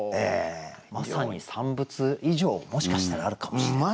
まさに三物以上もしかしたらあるかもしれない。